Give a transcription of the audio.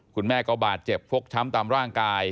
คุณแม่ก็บาดเจ็บฟกช้ำตามร่างกาย